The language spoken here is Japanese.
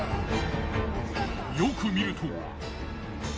よく見ると。